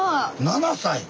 ７歳⁉